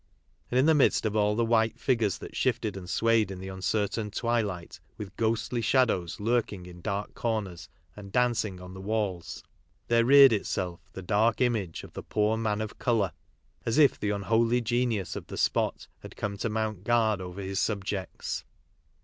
And in the midst of all the white figures that shifted and swayed in the un certain twilight, with ghostly shadows lurk ing in dark corners and dancing on the walls, there reared itself the dark image of the poor Man of Colour, as if the unholy Genius of the spot had come to mount guard over his subjects.